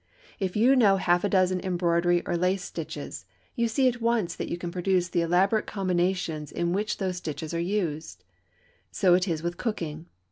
If you know half a dozen embroidery or lace stitches, you see at once that you can produce the elaborate combinations in which those stitches are used. So it is with cooking.